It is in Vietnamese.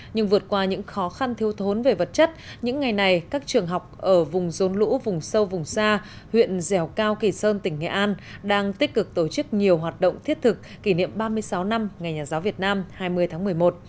nhưng vượt qua những khó khăn thiếu thốn về vật chất những ngày này các trường học ở vùng rốn lũ vùng sâu vùng xa huyện dẻo cao kỳ sơn tỉnh nghệ an đang tích cực tổ chức nhiều hoạt động thiết thực kỷ niệm ba mươi sáu năm ngày nhà giáo việt nam hai mươi tháng một mươi một